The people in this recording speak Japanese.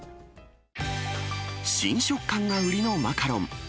新食感が売りのマカロン。